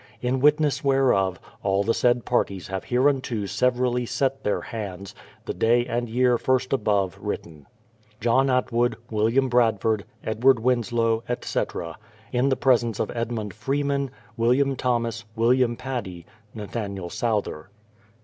In witness whereof, all the said parties have hereunto severally set their hands, the day and year first above written. JOHN ATWOOD, WILLIAM BRADFORD, EDWARD WINSLOW, etc. In the presence of Edmund Freeman, William Thomas, William Paddy, Nathaniel Souther.